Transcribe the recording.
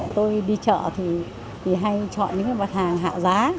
tôi đi chợ thì hay chọn những cái mặt hàng hạ giá